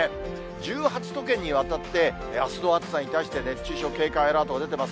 １８都県にわたって、あすの暑さに対して、熱中症警戒アラートが出てます。